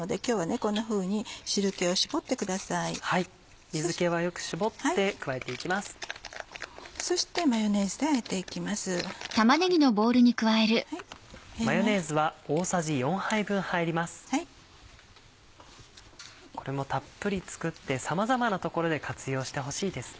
これもたっぷり作ってさまざまなところで活用してほしいですね。